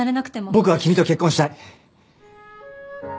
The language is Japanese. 僕は君と結婚したい。